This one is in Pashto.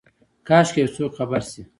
کاشکي یوڅوک خبر شي،